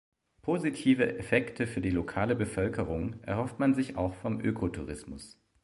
Positive Effekte für die lokale Bevölkerung erhofft man sich auch vom Ökotourismus.